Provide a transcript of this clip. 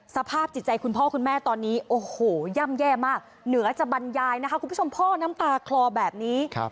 สภาพจิตใจคุณพ่อคุณแม่ตอนนี้โอ้โหย่ำแย่มากเหนือจะบรรยายนะคะคุณผู้ชมพ่อน้ำตาคลอแบบนี้